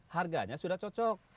harganya sudah cocok